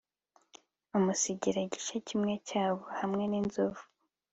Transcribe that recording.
amusigira igice kimwe cy'ingabo hamwe n'inzovu